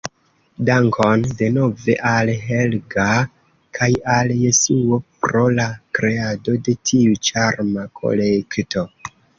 Dankon denove al Helga kaj al Jasuo pro la kreado de tiu ĉarma kolekto.